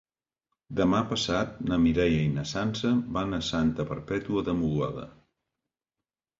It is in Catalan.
Demà passat na Mireia i na Sança van a Santa Perpètua de Mogoda.